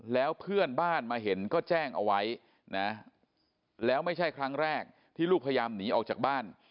แล้วเพื่อนบ้านมาเห็นก็แจ้งเอาไว้นะแล้วไม่ใช่ครั้งแรกที่ลูกพยายามหนีออกจากบ้าน